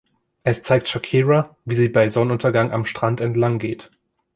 Es zeigt Shakira, wie sie bei Sonnenuntergang am Strand entlang geht.